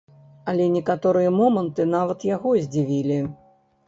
Але некаторыя моманты нават яго здзівілі.